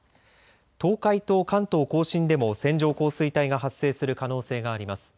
東海と関東甲信でも線状降水帯が発生する可能性があります。